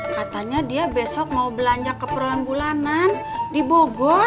katanya dia besok mau belanja ke perlambulanan di bogor